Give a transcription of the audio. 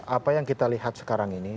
apa yang kita lihat sekarang ini